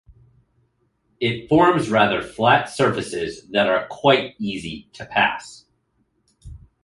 It forms rather flat surfaces that are quite easy to pass.